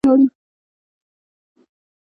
خور تل خپلو یادونو ته ژاړي.